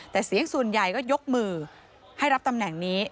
แต่เสียงส่วนใหญ่ก็ยกมือให้รับตำแหน่งนี้